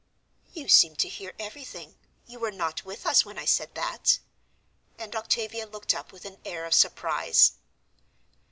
"You seem to hear everything; you were not with us when I said that." And Octavia looked up with an air of surprise.